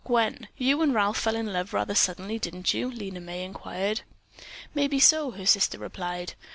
"Gwen, you and Ralph fell in love rather suddenly, didn't you?" Lena May inquired. "Maybe so," her sister replied.